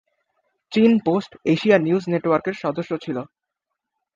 চীন Post Asia News নেটওয়ার্কের সদস্য ছিল।